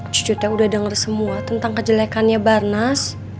cucutnya udah dengar semua tentang kejelekannya barnas